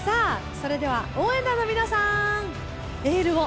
それでは応援団の皆さんエールをお願いします。